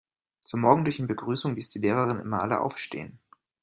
Zur morgendlichen Begrüßung ließ die Lehrerin immer alle aufstehen.